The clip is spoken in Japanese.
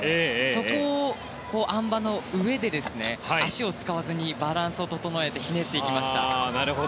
そこをあん馬の上で足を使わずにバランスを整えてひねっていきました。